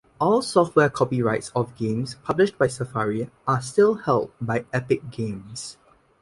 All software copyrights of games published by Safari are still held by Epic Games.